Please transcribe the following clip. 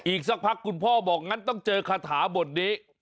อีกสักพักคุณพ่อบอกงั้นต้องเจอคาถาบทนี้